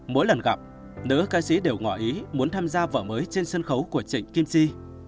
mỗi lần gặp nữ ca sĩ đều ngỏ ý muốn tham gia vở mới trên sân khấu của trịnh kim si